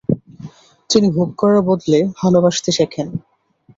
তিনি ভোগ করার বদলে ভালোবাসতে শেখেন।